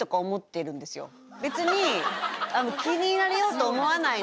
別に。